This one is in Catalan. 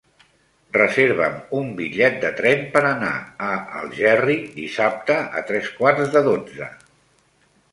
Reserva'm un bitllet de tren per anar a Algerri dissabte a tres quarts de dotze.